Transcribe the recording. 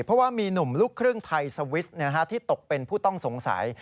เพราะว่ามีหนุ่มลูกครึ่งไทยสวิสที่ตกเป็นผู้ต้องสงสัย